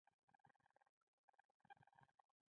هغه په کاتاراکتیوم کې ده